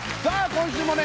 今週もね